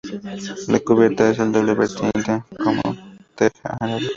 La cubierta es a doble vertiente con teja árabe.